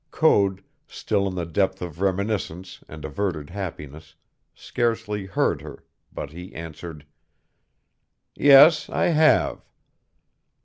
Code, still in the depth of reminiscence and averted happiness, scarcely heard her, but he answered "Yes, I have."